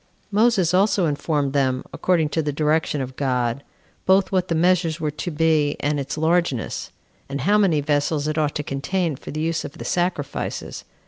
Moses also informed them, according to the direction of God, both what the measures were to be, and its largeness; and how many vessels it ought to contain for the use of the sacrifices.